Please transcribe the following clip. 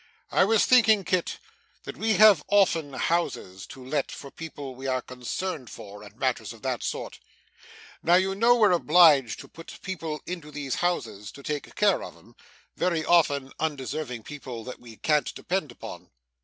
'I was thinking, Kit, that we have often houses to let for people we are concerned for, and matters of that sort. Now you know we're obliged to put people into those houses to take care of 'em very often undeserving people that we can't depend upon.